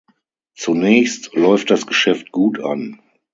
Zunächst läuft das Geschäft gut an.